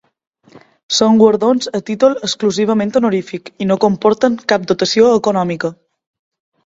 Són guardons a títol exclusivament honorífic i no comporten cap dotació econòmica.